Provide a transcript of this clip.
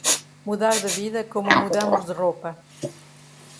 mudar de vida como mudamos de roupa